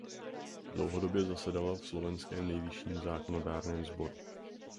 Dlouhodobě zasedala v slovenském nejvyšším zákonodárném sboru.